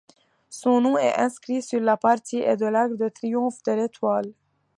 Son nom est inscrit sur la partie Est de l'arc de triomphe de l'Étoile.